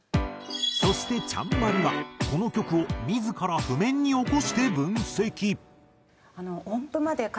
そしてちゃんＭＡＲＩはこの曲を自ら譜面に起こして分析。